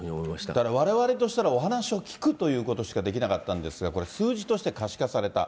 だから、われわれとしたら、お話を聞くということしかできなかったんですが、これ、数字として可視化された。